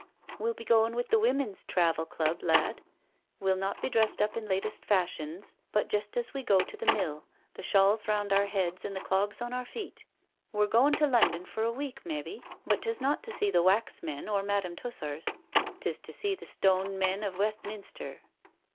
"We*ll be goin' with the women's 'Travel Club,' lad. We'll not be drest up in latest fashions, but jest as we go to mill, the shawls round our heads and the clogs on our feet. We're goin' to London for a week, maybe, but 'tis not to see the wax men o' Madame Tussor's, 'tis to see the stone men of Westminster."